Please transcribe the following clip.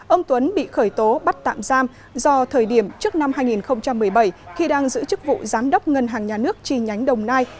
ông tuấn bị khởi tố bắt tạm giam do thời điểm trước năm hai nghìn một mươi bảy khi đang giữ chức vụ giám đốc ngân hàng nhà nước chi nhánh đồng nai